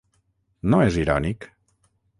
No és irònic?